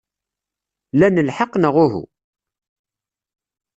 Lan lḥeqq, neɣ uhu?